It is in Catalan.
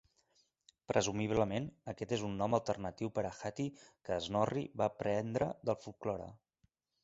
Presumiblement, aquest és un nom alternatiu per a Hati que Snorri va prendre del folklore.